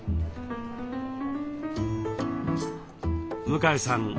向江さん